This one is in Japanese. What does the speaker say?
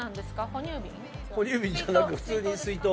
哺乳瓶じゃなく普通に水筒。